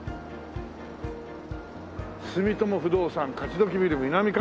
「住友不動産勝どきビル南館」